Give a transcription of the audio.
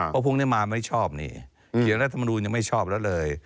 เพราะพวกนี้มาไม่ชอบนี่เกี่ยวกับรัฐบุรุณยังไม่ชอบแล้วเลย